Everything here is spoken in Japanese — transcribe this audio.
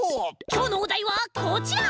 きょうのおだいはこちら！